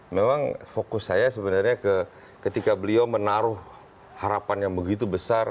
memang fokus saya sebenarnya ketika beliau menaruh harapan yang begitu besar